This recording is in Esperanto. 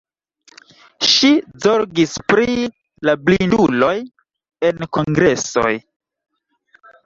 Ŝi zorgis pri la blinduloj en kongresoj.